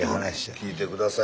聞いてください。